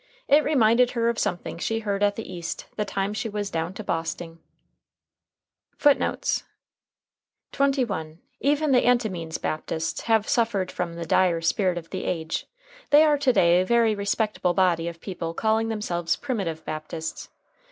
It reminded her of something she heard at the East, the time she was down to Bosting. FOOTNOTES: [Footnote 21: Even the Anti means Baptists have suffered from the dire spirit of the age. They are to day a very respectable body of people calling themselves "Primitive Baptists."